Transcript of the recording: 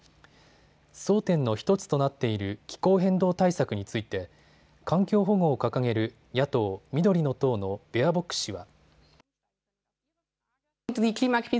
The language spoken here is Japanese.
争点の１つとなっている気候変動対策について環境保護を掲げる野党、緑の党のベアボック氏は。